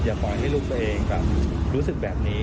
ปล่อยให้ลูกตัวเองแบบรู้สึกแบบนี้